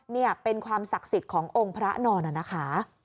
นี่เป็นความศักดิ์สิทธิ์ขององค์พระนอนนะคะ